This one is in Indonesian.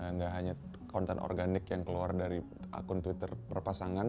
nggak hanya konten organik yang keluar dari akun twitter berpasangan